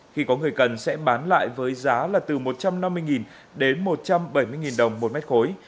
khi có người cần sẽ bán lại với giá là từ một trăm năm mươi đến một trăm bảy mươi đồng một mét khối